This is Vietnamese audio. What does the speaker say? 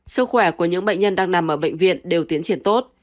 sức khỏe của những bệnh nhân đang nằm ở bệnh viện đều tiến triển tốt